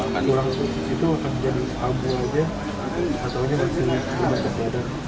kalau kurang itu akan jadi tabu aja atau aja maksimal